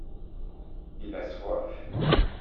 il a soif.